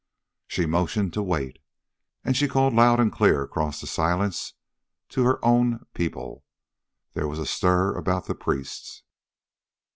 She motioned to wait, and she called loud and clear across the silence to her own people. There was a stir about the priests.